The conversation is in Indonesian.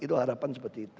itu harapan seperti itu